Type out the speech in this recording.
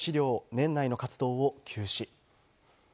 年内の活動を休止。